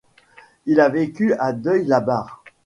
Il a vécu à Deuil-la-Barre.